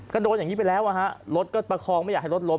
ก็โดนอย่างนี้ไปแล้วอ่ะฮะรถก็ประคองไม่อยากให้รถล้ม